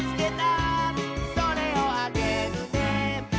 「それをあげるね」